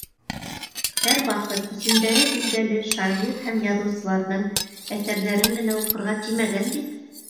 Һәр ваҡыт исемдәре билдәле шағир һәм яҙыусыларҙың әҫәрҙәрен генә уҡырға тимәгән бит?!